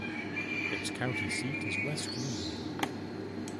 Its county seat is West Union.